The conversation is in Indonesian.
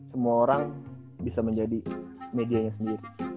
semua orang bisa menjadi medianya sendiri